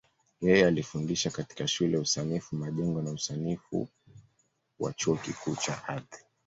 Yeye alifundisha katika Shule ya Usanifu Majengo na Usanifu wa Chuo Kikuu cha Ardhi.